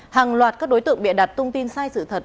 hàng loạt các đối tượng bị đặt tung tin sai sự thật